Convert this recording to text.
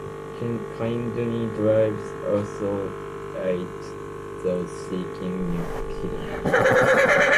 The elements may also exist in other markup languages, such as MediaWiki.